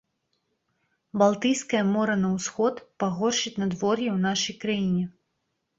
Балтыйскае мора на ўсход, пагоршыць надвор'е ў нашай краіне.